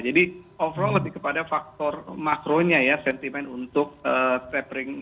jadi overall lebih kepada faktor makronya ya sentimen untuk tapering atau kenaikan suku bunga the fed